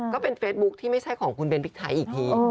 ก็เป็นเฟซบุ๊คที่ไม่ใช่ของคุณเบนพริกไทยอีกที